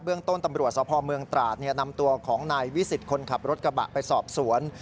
ต้นตำรวจสพเมืองตราดนำตัวของนายวิสิทธิ์คนขับรถกระบะไปสอบสวน